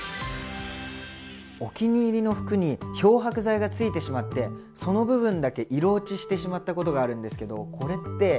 お気に入りの服に漂白剤がついてしまってその部分だけ色落ちしてしまったことがあるんですけどこれって。